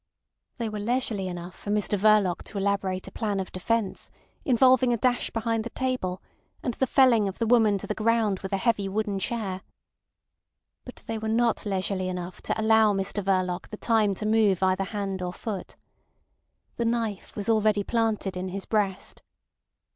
They were leisurely enough for Mr Verloc to elaborate a plan of defence involving a dash behind the table, and the felling of the woman to the ground with a heavy wooden chair. But they were not leisurely enough to allow Mr Verloc the time to move either hand or foot. The knife was already planted in his breast.